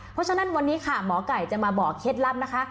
เพราะฉะนั้นวันนี้ค่ะหมอไก่จะมาบอกเคล็ดลับนะคะ